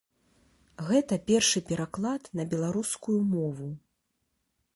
Гэта першы пераклад на беларускую мову.